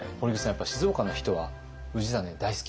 やっぱり静岡の人は氏真大好き？